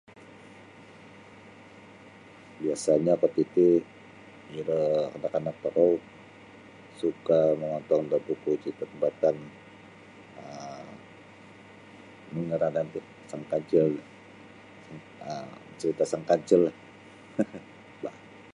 Biasanyo kuo titi iro anak-anak tokou suka' mongontong da buku carita' tampatan um nunu ngaranan ti sang kancil um carita' sang kancillah bah.